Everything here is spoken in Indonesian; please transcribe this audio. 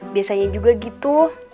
biasanya juga gitu